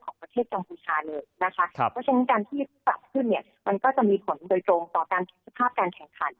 ของประเทศกัมพูชาเลยนะครับเพราะฉะนั้นการที่ปรับขึ้นก็จะมีผลโดยตรงต่อการพิสภาพแข่งขัน